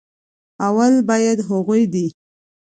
اول بايد هغوي دې